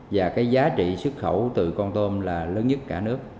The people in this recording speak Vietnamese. và cái giá trị xuất khẩu từ con tôm là lớn nhất cả nước